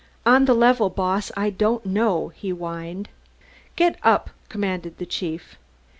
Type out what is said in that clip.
"On the level, Boss, I don't know," he whined. "Get up!" commanded the chief.